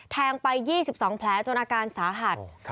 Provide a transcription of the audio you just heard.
แทงไป๒๒แผลจนอาการสาหัส